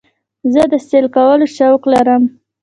زه د سیل کولو شوق لرم.